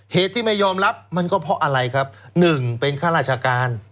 เหตุที่ไม่ยอมรับมันก็เพราะอะไรครับหนึ่งเป็นข้าราชการ